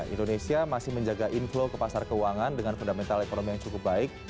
indonesia masih menjaga inflow ke pasar keuangan dengan fundamental ekonomi yang cukup baik